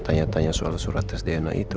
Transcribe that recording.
tanya tanya soal surat sdn itu